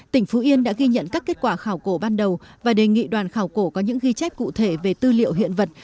tỉnh phú yên đã ghi nhận các kết quả khảo cổ ban đầu và đề nghị đoàn khảo cổ có những ghi chép cụ thể về tư liệu hiện vật